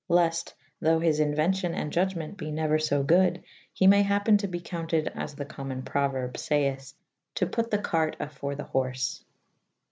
Lefte thoughe his inuencyon and iudgement be neuer fo goode he maye happen to be counted as the co/wmune prouerbe fayeht To put the carte afore the horfe.